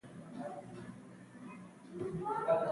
ښوونځی د دوستۍ ځای دی.